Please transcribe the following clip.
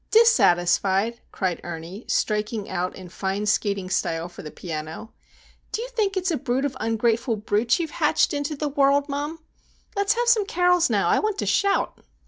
"Dissatisfied!" cried Ernie, striking out in fine skating style for the piano. "Do you think it's a brood of ungrateful brutes you've hatched into the wor rld, mum? Let's have some carols now. I want to shout!"